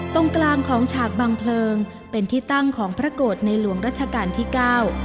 ตรงกลางของฉากบังเพลิงเป็นที่ตั้งของพระโกรธในหลวงรัชกาลที่เก้า